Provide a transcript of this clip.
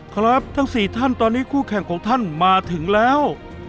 ครับทั้ง๔ท่านตอนนี้คู่แข่งของท่านมาถึงแล้ว